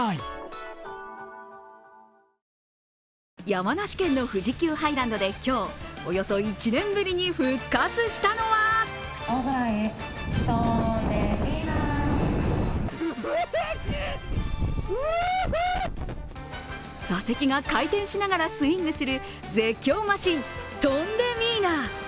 山梨県の富士急ハイランドで今日、およそ１年ぶりに復活したのは座席が回転しながらスイングする絶叫マシン、トンデミーナ。